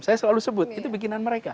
saya selalu sebut itu bikinan mereka